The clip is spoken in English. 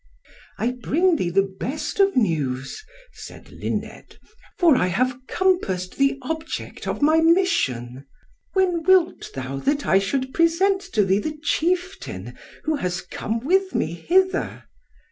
"I bring thee the best of news," said Luned, "for I have compassed the object of my mission. When wilt thou, that I should present to thee the chieftain who has come with me hither?"